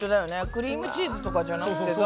クリームチーズとかじゃなくてさ。